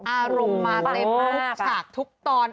อารมณ์มาเต็มทุกฉากทุกตอน